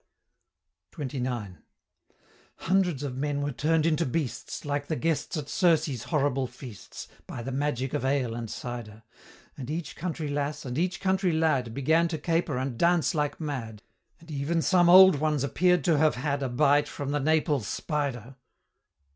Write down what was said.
XXIX. Hundreds of men were turn'd into beasts, Like the guests at Circe's horrible feasts, By the magic of ale and cider: And each country lass, and each country lad Began to caper and dance like mad, And ev'n some old ones appear'd to have had A bite from the Naples Spider.